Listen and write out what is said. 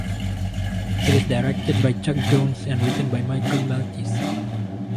It is directed by Chuck Jones and written by Michael Maltese.